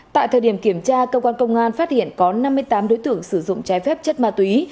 tại thời điểm kiểm tra cơ quan công an phát hiện có năm mươi tám đối tượng sử dụng trái phép chất ma túy